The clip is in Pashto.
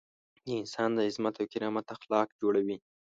د انسان د عظمت او کرامت اخلاق جوړوي.